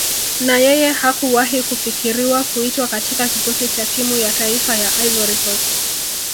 Na yeye hakuwahi kufikiriwa kuitwa katika Kikosi cha Timu ya Taifa ya Ivory Coast